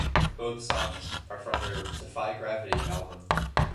Both songs are from their "Defy Gravity" album.